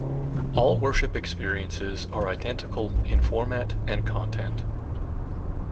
All Worship Experiences are identical in format and content.